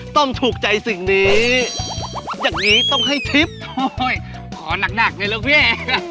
ต้อมถูกใจสิ่งนี้อย่างนี้ต้องให้ทริพย์ขอนักเรียกหนึ่งแล้วพี่